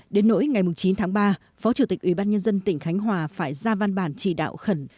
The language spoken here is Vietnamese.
đến nỗi ngày chín tháng ba phó chủ tịch ủy ban nhân dân tỉnh khánh hòa phải ra văn bản chỉ đạo khẩn